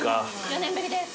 ４年ぶりです。